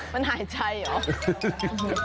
มันหายใจเหรอ